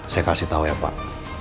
saya kasih tahu ya pak